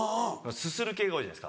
すする系が多いじゃないですか。